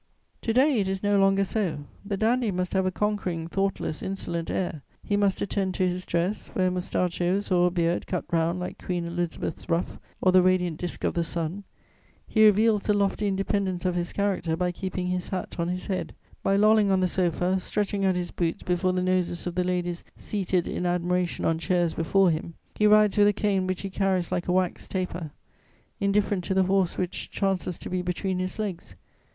To day it is no longer so: the dandy must have a conquering, thoughtless, insolent air; he must attend to his dress, wear mustachios or a beard cut round like Queen Elizabeth's ruff or the radiant disk of the sun; he reveals the lofty independence of his character by keeping his hat on his head, by lolling on the sofa, stretching out his boots before the noses of the ladies seated in admiration on chairs before him; he rides with a cane which he carries like a wax taper, indifferent to the horse which chances to be between his legs.